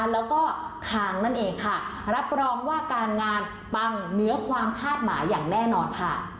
แล้วก็คางนั่นเองค่ะรับรองว่าการงานปังเหนือความคาดหมายอย่างแน่นอนค่ะ